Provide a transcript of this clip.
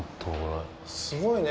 すごいね。